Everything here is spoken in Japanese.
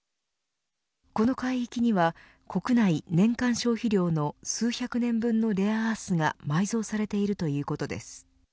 この海域には国内年間消費量の数百年分のレアアースが埋蔵されているということです。